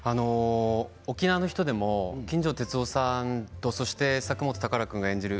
沖縄の人でも金城哲夫さんとそして佐久本宝君が演じる